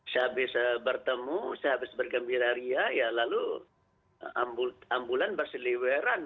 sehabis bertemu sehabis bergembira ria ya lalu ambulan berseliweran